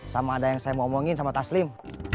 sama ada yang saya mau omongin sama taslim